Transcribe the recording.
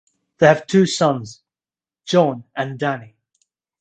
They have two sons, John and Danny.